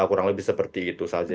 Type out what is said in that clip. kurang lebih seperti itu saja